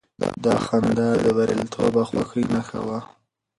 دا خندا د برياليتوب او خوښۍ نښه وه.